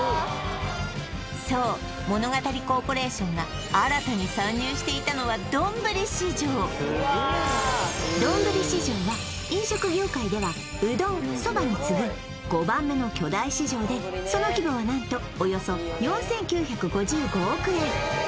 そう物語コーポレーションが丼市場は飲食業界ではうどん・そばに次ぐ５番目の巨大市場でその規模は何とおよそ４９５５億円